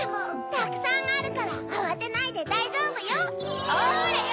たくさんあるからあわてないでだいじょうぶよ。ほらよ！